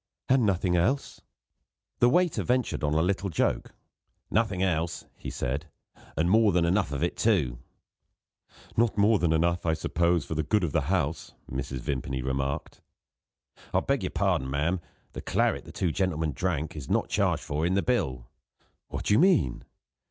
"And nothing else?" The waiter ventured on a little joke. "Nothing else," he said "and more than enough of it, too." "Not more than enough, I suppose, for the good of the house," Mrs. Vimpany remarked. "I beg your pardon, ma'am; the claret the two gentlemen drank is not charged for in the bill." "What do you mean?"